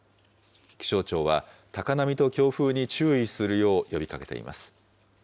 気象庁は、高波と強風に注意するよう呼びかけています。